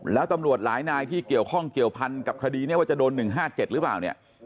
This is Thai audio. แล้วตำรวจหลายนายที่เกี่ยวข้องเกี่ยวพันกับคดีนี้ว่าจะโดน๑๕๗หรือเปล่าเนี่ย